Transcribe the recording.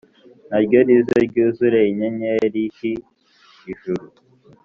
Naryo rize ryuzure inyenyeri ki ijuru